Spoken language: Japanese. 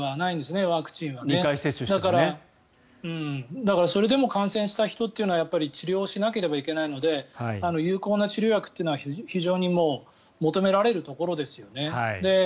だからそれでも感染した人というのは治療しなければいけないので有効な治療薬は非常に求められるところですよね。